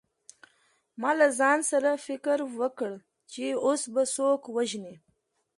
ما له ځان سره فکر وکړ چې اوس به څوک وژنې